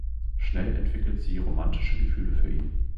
Schnell entwickelt sie romantische Gefühle für ihn.